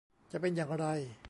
จะเป็นอย่างไร